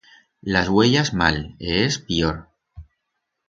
Las uellas mal, e ers pior.